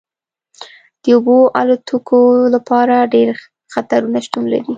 د اوبو الوتکو لپاره ډیر خطرونه شتون لري